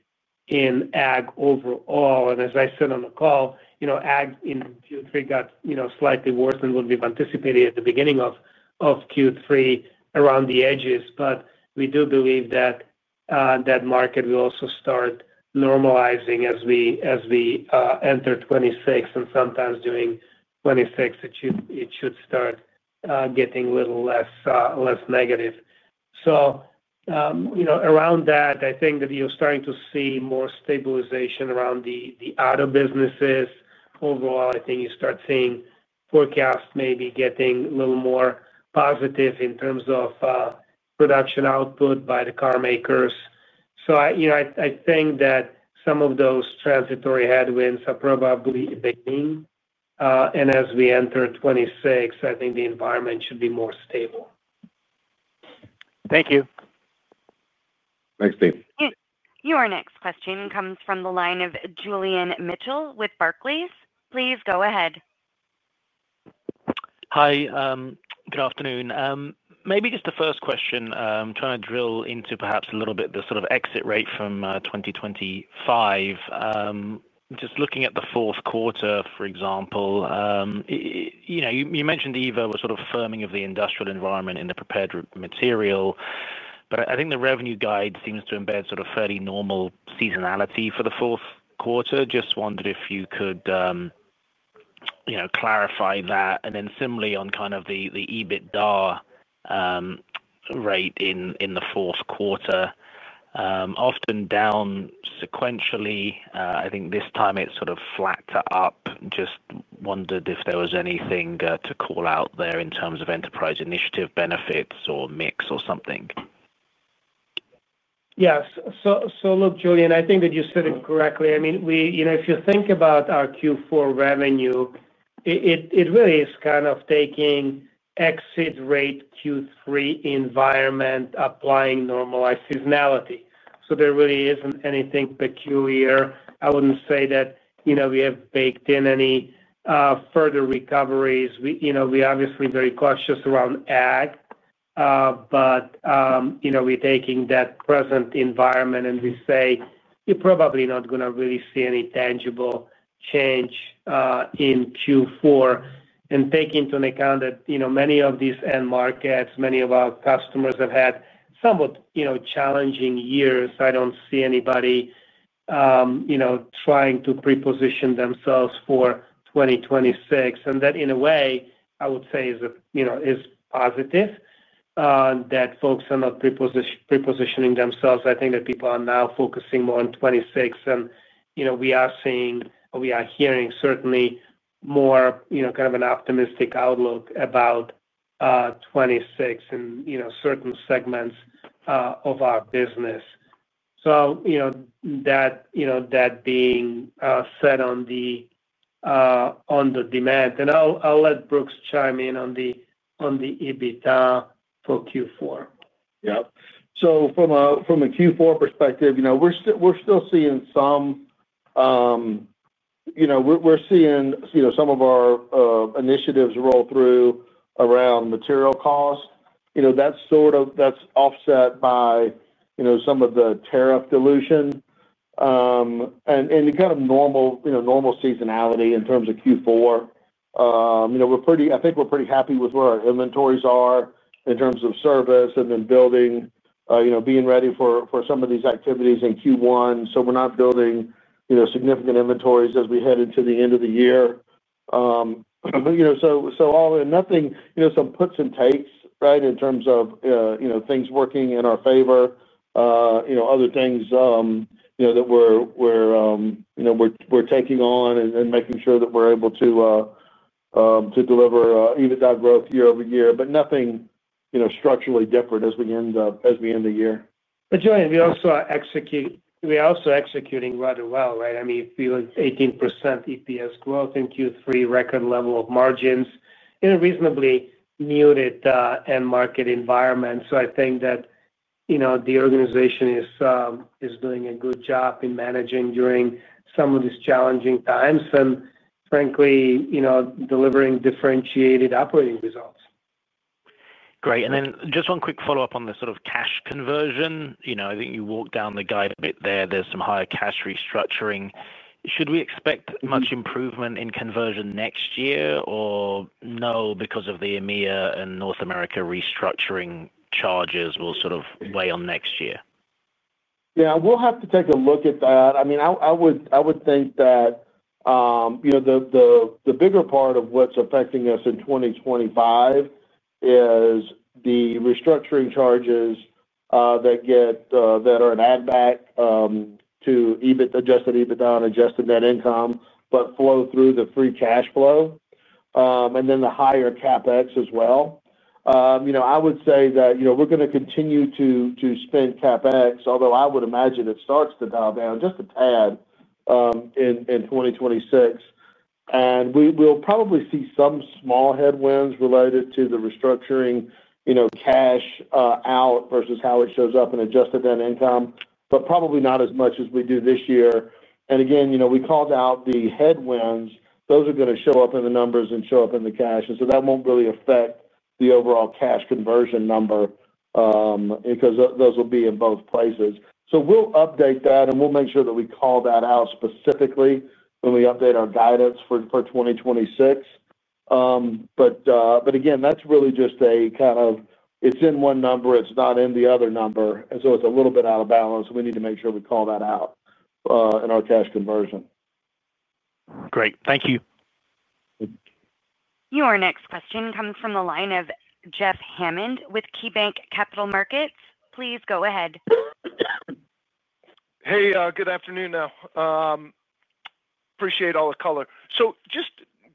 in ag overall. As I said on the call, you know, ag in Q3 got slightly worse than what we've anticipated at the beginning of Q3 around the edges. We do believe that that market will also start normalizing as we enter 2026, and sometimes during 2026, it should start getting a little less negative. You know around that, I think that you're starting to see more stabilization around the auto businesses. Overall, I think you start seeing forecasts maybe getting a little more positive in terms of production output by the car makers. You know I think that some of those transitory headwinds are probably beginning. As we enter 2026, I think the environment should be more stable. Thank you. Thanks, Dean. Your next question comes from the line of Julian Mitchell with Barclays. Please go ahead. Hi. Good afternoon. Maybe just the first question, trying to drill into perhaps a little bit the sort of exit rate from 2025. Just looking at the fourth quarter, for example, you mentioned, Ivo, a sort of firming of the industrial environment in the prepared material. I think the revenue guide seems to embed sort of fairly normal seasonality for the fourth quarter. I just wondered if you could clarify that. Similarly, on kind of the EBITDA rate in the fourth quarter, often down sequentially, I think this time it's sort of flat to up. I just wondered if there was anything to call out there in terms of enterprise initiative benefits or mix or something. Yes. Look, Julian, I think that you said it correctly. I mean, if you think about our Q4 revenue, it really is kind of taking exit rate Q3 environment, applying normalized seasonality. There really isn't anything peculiar. I wouldn't say that we have baked in any further recoveries. We obviously are very cautious around ag, but we're taking that present environment and we say you're probably not going to really see any tangible change in Q4 and take into account that many of these end markets, many of our customers have had somewhat challenging years. I don't see anybody trying to preposition themselves for 2026. That, in a way, I would say is positive, that folks are not prepositioning themselves. I think that people are now focusing more on 2026, and we are seeing or we are hearing certainly more kind of an optimistic outlook about 2026 and certain segments of our business. That being said on the demand. I'll let Brooks chime in on the EBITDA for Q4. Yeah. From a Q4 perspective, we're still seeing some of our initiatives roll through around material cost. That's offset by some of the tariff dilution, and the kind of normal seasonality in terms of Q4. We're pretty happy with where our inventories are in terms of service and then being ready for some of these activities in Q1. We're not building significant inventories as we head into the end of the year. All in, some puts and takes, right, in terms of things working in our favor, other things that we're taking on and making sure that we're able to deliver EBITDA growth year-over-year, but nothing structurally different as we end the year. Julian, we also are executing rather well, right? I mean, you feel like 18% EPS growth in Q3, record level of margins in a reasonably muted end market environment. I think that you know the organization is doing a good job in managing during some of these challenging times and frankly, you know delivering differentiated operating results. Great. Just one quick follow-up on the sort of cash conversion. I think you walked down the guide a bit there. There's some higher cash restructuring. Should we expect much improvement in conversion next year or no, because of the EMEA and North America restructuring charges will sort of weigh on next year? Yeah. We'll have to take a look at that. I mean, I would think that the bigger part of what's affecting us in 2025 is the restructuring charges that are an add-back to Adjusted EBITDA and adjusted net income, but flow through the free cash flow and then the higher CapEx as well. I would say that we're going to continue to spend CapEx, although I would imagine it starts to dial down just a tad in 2026. We'll probably see some small headwinds related to the restructuring cash out versus how it shows up in adjusted net income, but probably not as much as we do this year. We called out the headwinds. Those are going to show up in the numbers and show up in the cash. That won't really affect the overall cash conversion number because those will be in both places. We'll update that, and we'll make sure that we call that out specifically when we update our guidance for 2026. That's really just a kind of it's in one number. It's not in the other number. It's a little bit out of balance. We need to make sure we call that out in our cash conversion. Great, thank you. Your next question comes from the line of Jeff Hammond with KeyBanc Capital Markets. Please go ahead. Hey, good afternoon now. Appreciate all the color.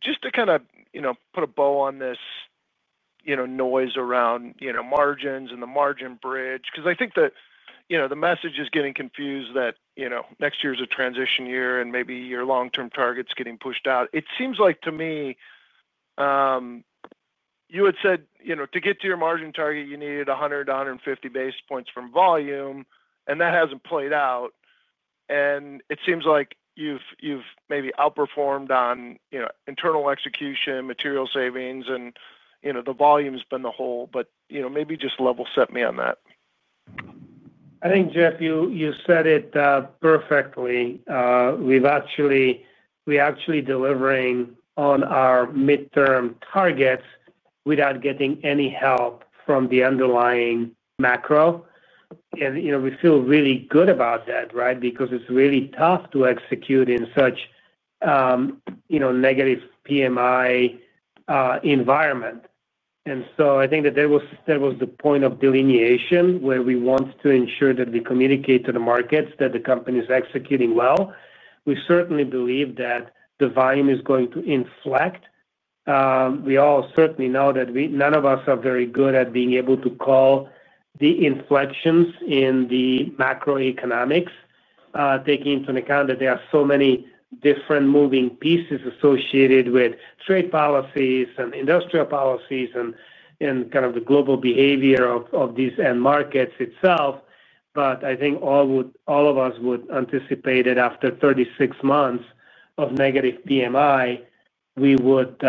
Just to kind of put a bow on this noise around margins and the margin bridge, because I think the message is getting confused that next year is a transition year and maybe your long-term target's getting pushed out. It seems like to me, you had said to get to your margin target, you needed 100 to 150 basis points from volume, and that hasn't played out. It seems like you've maybe outperformed on internal execution, material savings, and the volume's been the hole. Maybe just level set me on that. I think, Jeff, you said it perfectly. We're actually delivering on our midterm targets without getting any help from the underlying macro. We feel really good about that, right, because it's really tough to execute in such a negative PMI environment. I think that was the point of delineation where we want to ensure that we communicate to the markets that the company is executing well. We certainly believe that the volume is going to inflect. We all certainly know that none of us are very good at being able to call the inflections in the macroeconomics, taking into account that there are so many different moving pieces associated with trade policies and industrial policies and kind of the global behavior of these end markets itself. I think all of us would anticipate that after 36 months of negative PMI, we would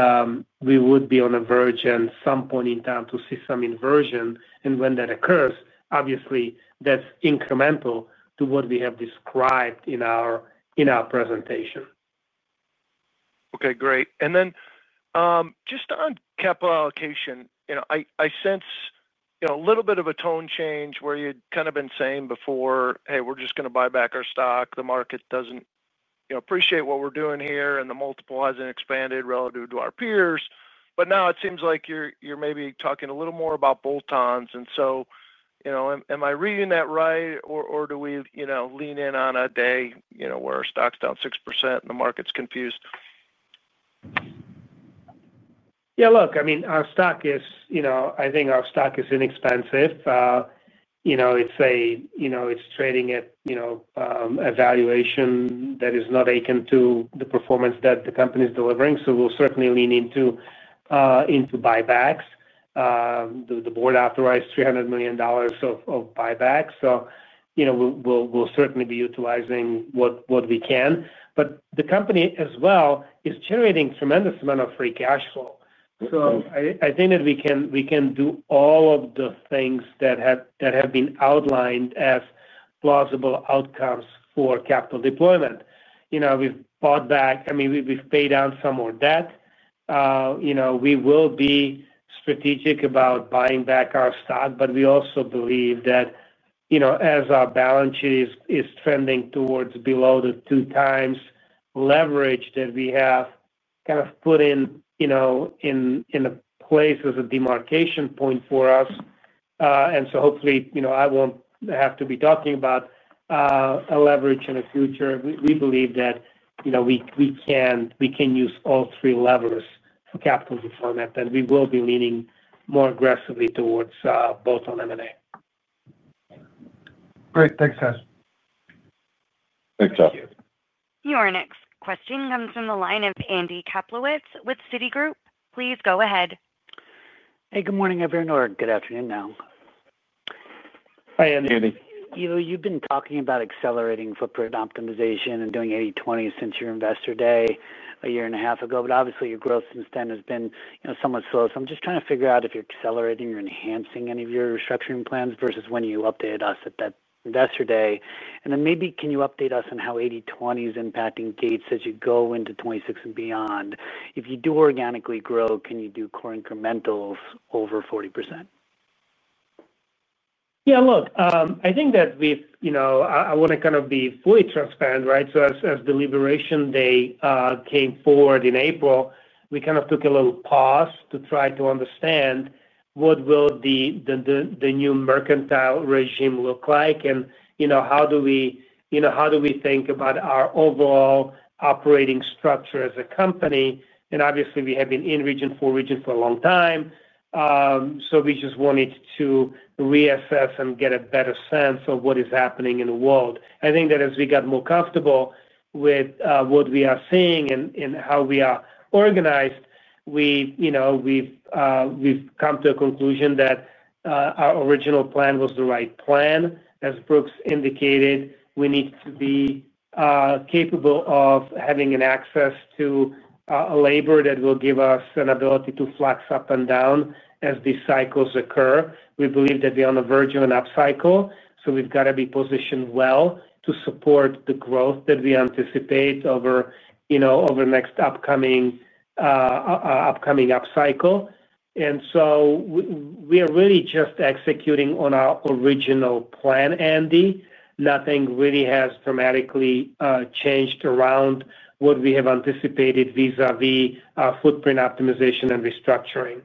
be on the verge at some point in time to see some inversion. When that occurs, obviously, that's incremental to what we have described in our presentation. Okay. Great. Then just on capital allocation, I sense a little bit of a tone change where you'd kind of been saying before, "Hey, we're just going to buy back our stock. The market doesn't appreciate what we're doing here, and the multiple hasn't expanded relative to our peers." Now it seems like you're maybe talking a little more about bolt-ons. Am I reading that right, or do we lean in on a day where our stock's down 6% and the market's confused? Yeah. Look, I mean, our stock is, you know, I think our stock is inexpensive. It's trading at a valuation that is not akin to the performance that the company is delivering. We'll certainly lean into buybacks. The board authorized $300 million of buybacks. We'll certainly be utilizing what we can. The company as well is generating a tremendous amount of free cash flow. I think that we can do all of the things that have been outlined as plausible outcomes for capital deployment. We've bought back, I mean, we've paid down some more debt. We will be strategic about buying back our stock, but we also believe that as our balance sheet is trending towards below the two times leverage that we have kind of put in, you know, in a place as a demarcation point for us. Hopefully, I won't have to be talking about a leverage in the future. We believe that we can use all three levers for capital deployment, and we will be leaning more aggressively towards bolt-on M&A. Great. Thanks, guys. Thanks, Jeff. Thank you. Your next question comes from the line of Andy Kaplowitz with Citigroup. Please go ahead. Hey, good morning, everyone, or good afternoon now. Hi, Andy. Ivo, you've been talking about accelerating footprint optimization and doing 80/20 since your Investor Day a year and a half ago. Obviously, your growth since then has been somewhat slow. I'm just trying to figure out if you're accelerating or enhancing any of your restructuring plans versus when you updated us at that Investor Day. Maybe can you update us on how 80/20 is impacting Gates as you go into 2026 and beyond? If you do organically grow, can you do core incrementals over 40%? Yeah. Look, I think that we've, you know, I want to kind of be fully transparent, right? As the Liberation Day came forward in April, we took a little pause to try to understand what will the new mercantile regime look like and how do we think about our overall operating structure as a company. Obviously, we have been in region for a long time. We just wanted to reassess and get a better sense of what is happening in the world. I think that as we got more comfortable with what we are seeing and how we are organized, we've come to a conclusion that our original plan was the right plan. As Brooks indicated, we need to be capable of having access to a labor that will give us an ability to flex up and down as these cycles occur. We believe that we are on the verge of an upcycle, so we've got to be positioned well to support the growth that we anticipate over the next upcoming upcycle. We are really just executing on our original plan, Andy. Nothing really has dramatically changed around what we have anticipated vis-à-vis footprint optimization and restructuring.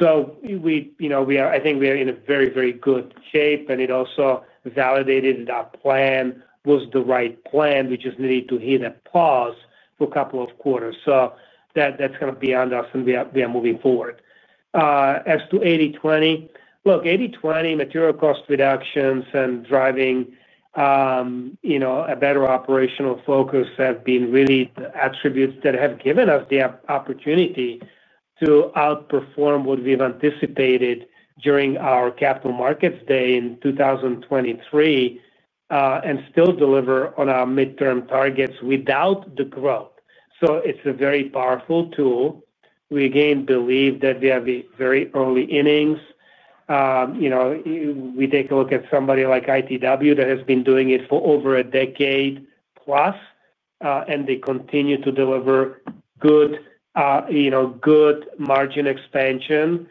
I think we are in a very, very good shape, and it also validated that our plan was the right plan. We just needed to hit a pause for a couple of quarters. That's kind of beyond us, and we are moving forward. As to 80/20, look, 80/20 material cost reductions and driving a better operational focus have been really the attributes that have given us the opportunity to outperform what we've anticipated during our Capital Markets Day in 2023 and still deliver on our midterm targets without the growth. It's a very powerful tool. We, again, believe that we have very early innings. You know, we take a look at somebody like ITW that has been doing it for over a decade plus, and they continue to deliver good margin expansion.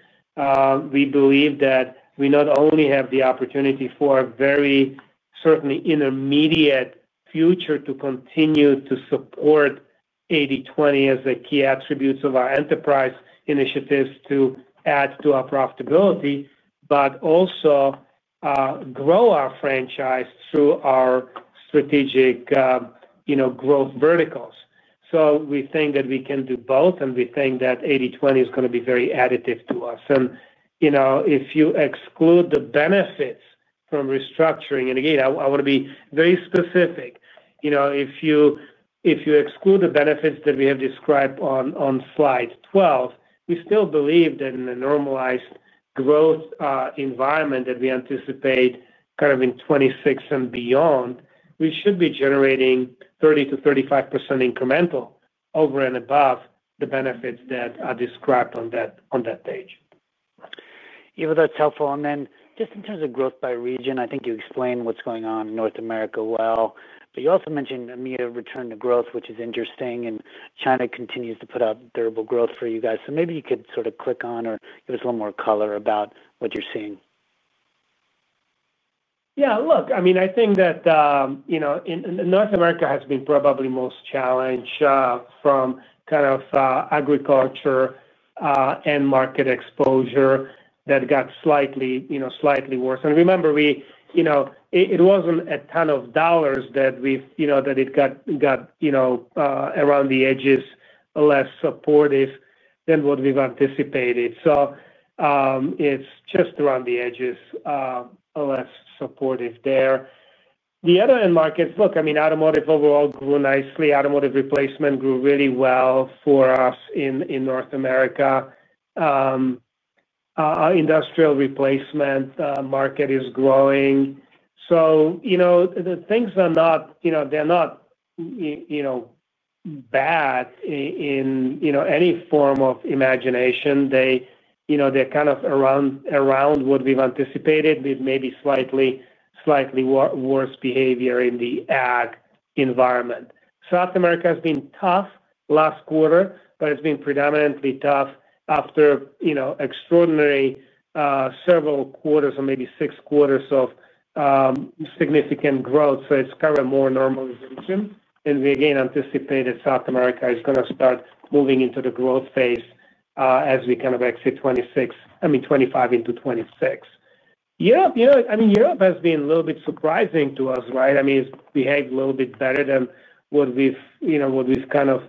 We believe that we not only have the opportunity for a very, certainly, intermediate future to continue to support 80/20 as the key attributes of our enterprise initiatives to add to our profitability, but also grow our franchise through our strategic growth verticals. We think that we can do both, and we think that 80/20 is going to be very additive to us. If you exclude the benefits from restructuring, and again, I want to be very specific, if you exclude the benefits that we have described on slide 12, we still believe that in a normalized growth environment that we anticipate kind of in 2026 and beyond, we should be generating 30%-35% incremental over and above the benefits that are described on that page. Ivo, that's helpful. In terms of growth by region, I think you explained what's going on in North America well. You also mentioned EMEA return to growth, which is interesting, and China continues to put up durable growth for you guys. Maybe you could sort of click on or give us a little more color about what you're seeing. Yeah. Look, I mean, I think that you know North America has been probably most challenged from kind of agriculture and market exposure that got slightly worse. Remember, it wasn't a ton of dollars that we've, you know, that it got, you know, around the edges less supportive than what we've anticipated. It's just around the edges less supportive there. The other end markets, look, I mean, automotive overall grew nicely. Automotive replacement grew really well for us in North America. Industrial replacement market is growing. Things are not, you know, they're not bad in any form of imagination. They're kind of around what we've anticipated with maybe slightly worse behavior in the ag environment. South America has been tough last quarter, but it's been predominantly tough after extraordinary several quarters or maybe six quarters of significant growth. It's kind of a more normalization. We, again, anticipated South America is going to start moving into the growth phase as we kind of exit 2025 into 2026. Europe, you know, I mean, Europe has been a little bit surprising to us, right? I mean, it's behaved a little bit better than what we've kind of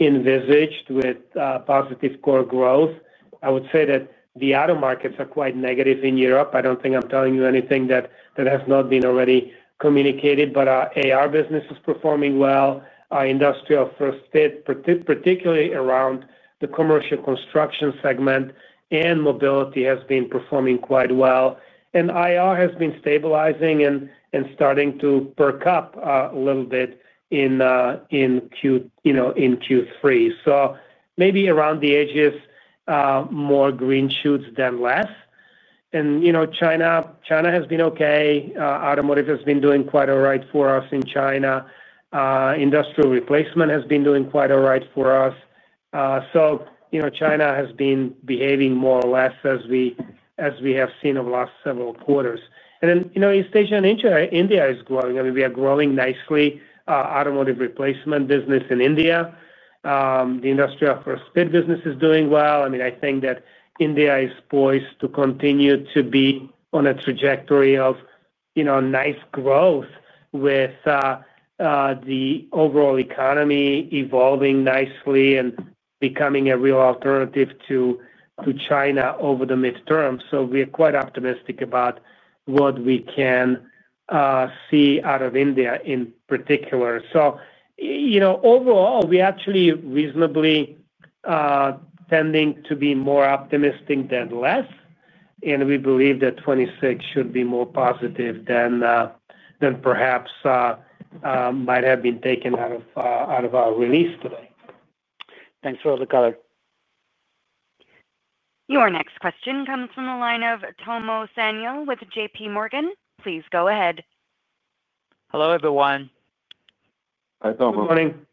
envisaged with positive core growth. I would say that the auto markets are quite negative in Europe. I don't think I'm telling you anything that has not been already communicated, but our AR business is performing well. Our industrial first fit, particularly around the commercial construction segment and mobility, has been performing quite well. IR has been stabilizing and starting to perk up a little bit in Q3. Maybe around the edges, more green shoots than less. You know, China has been okay. Automotive has been doing quite all right for us in China. Industrial replacement has been doing quite all right for us. China has been behaving more or less as we have seen over the last several quarters. East Asia and India is growing. I mean, we are growing nicely. Automotive replacement business in India, the industrial first fit business is doing well. I mean, I think that India is poised to continue to be on a trajectory of nice growth with the overall economy evolving nicely and becoming a real alternative to China over the midterm. We are quite optimistic about what we can see out of India in particular. Overall, we actually reasonably tend to be more optimistic than less. We believe that 2026 should be more positive than perhaps might have been taken out of our release today. Thanks for all the color. Your next question comes from the line of Tomo Samuel with J.P. Morgan. Please go ahead. Hello, everyone. Hi, Tomo. Good morning.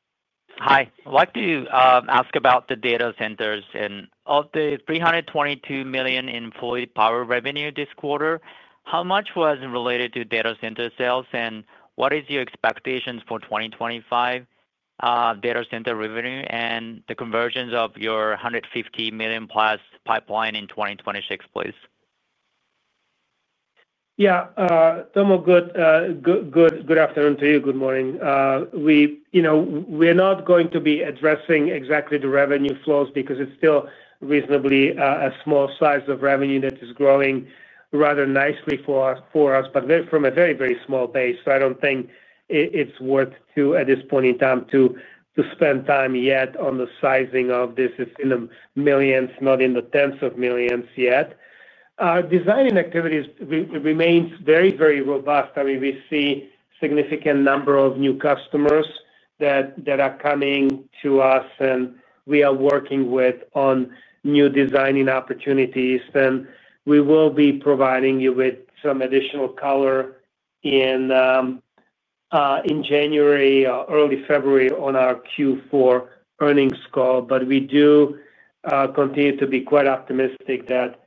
Hi. I'd like to ask about the data centers and update $322 million in power revenue this quarter. How much was related to data center sales, and what is your expectation for 2025 data center revenue and the conversions of your $150+ million pipeline in 2026, please? Yeah. Tomo, good afternoon to you. Good morning. We're not going to be addressing exactly the revenue flows because it's still reasonably a small size of revenue that is growing rather nicely for us, but from a very, very small base. I don't think it's worth, at this point in time, to spend time yet on the sizing of this. It's in the millionths, not in the tens of millions yet. Our designing activities remain very, very robust. We see a significant number of new customers that are coming to us, and we are working on new designing opportunities. We will be providing you with some additional color in January or early February on our Q4 earnings call. We do continue to be quite optimistic that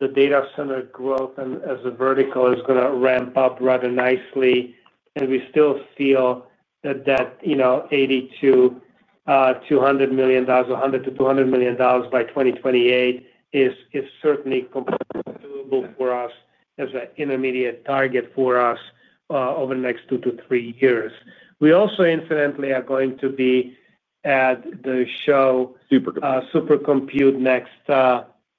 the data center growth as a vertical is going to ramp up rather nicely. We still feel that that, you know, $100 million-$200 million by 2028 is certainly doable for us as an intermediate target for us over the next two to three years. We also, incidentally, are going to be at the show SuperCompute next,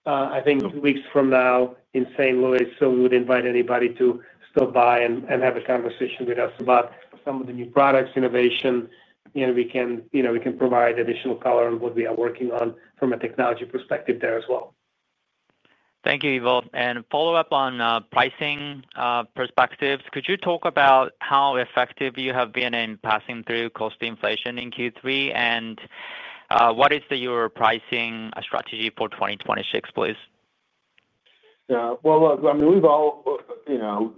I think, two weeks from now in St. Louis. We would invite anybody to stop by and have a conversation with us about some of the new products, innovation, and we can provide additional color on what we are working on from a technology perspective there as well. Thank you, Ivo. Follow up on pricing perspectives. Could you talk about how effective you have been in passing through cost inflation in Q3, and what is your pricing strategy for 2026, please? Yeah. Look, I mean, we've all, you know,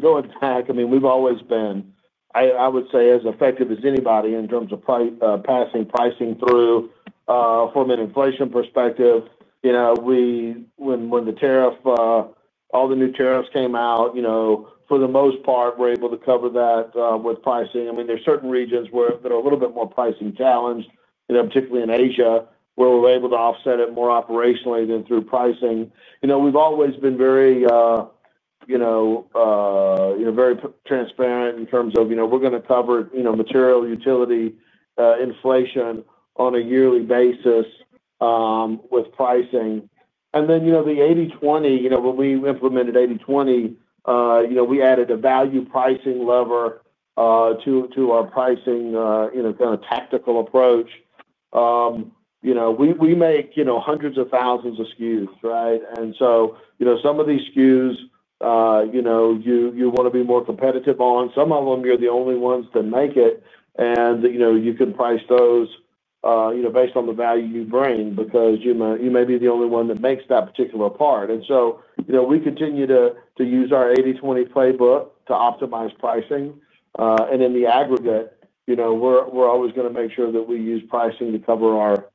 going back, I mean, we've always been, I would say, as effective as anybody in terms of passing pricing through from an inflation perspective. You know, when all the new tariffs came out, for the most part, we're able to cover that with pricing. I mean, there's certain regions where there are a little bit more pricing challenges, particularly in Asia, where we're able to offset it more operationally than through pricing. We've always been very, you know, very transparent in terms of, you know, we're going to cover, you know, material utility inflation on a yearly basis with pricing. You know, the 80/20, you know, when we implemented 80/20, we added a value pricing lever to our pricing, you know, kind of tactical approach. We make, you know, hundreds of thousands of SKUs, right? Some of these SKUs, you know, you want to be more competitive on. Some of them, you're the only ones that make it. You can price those, you know, based on the value you bring because you may be the only one that makes that particular part. We continue to use our 80/20 playbook to optimize pricing. In the aggregate, you know, we're always going to make sure that we use pricing to cover our particular.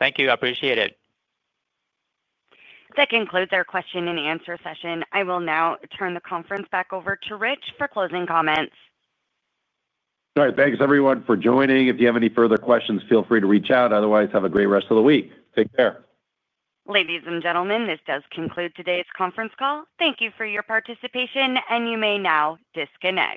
Thank you. I appreciate it. To conclude their question-and-answer session, I will now turn the conference back over to Rich for closing comments. All right. Thanks, everyone, for joining. If you have any further questions, feel free to reach out. Otherwise, have a great rest of the week. Take care. Ladies and gentlemen, this does conclude today's conference call. Thank you for your participation, and you may now disconnect.